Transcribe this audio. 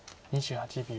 ２８秒。